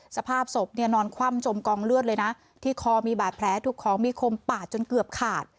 สภาพศพเนี่ยนอนคว่ำจมกองเลือดเลยนะที่คอมีบาดแผลถูกของมีคมปาดจนเกือบขาด